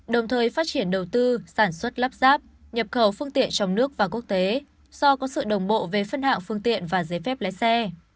đồng thời phát triển đầu tư sản xuất lắp ráp nhập khẩu phương tiện trong nước và quốc tế do có sự đồng bộ về phân hạng phương tiện và giấy phép lái xe